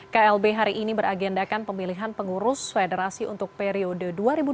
klb hari ini beragendakan pemilihan pengurus federasi untuk periode dua ribu dua puluh tiga dua ribu dua puluh tujuh